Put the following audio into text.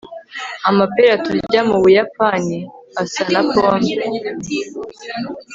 amapera turya mu buyapani asa na pome